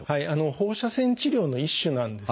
放射線治療の一種なんですね。